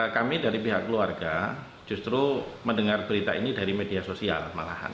kami dari pihak keluarga justru mendengar berita ini dari media sosial malahan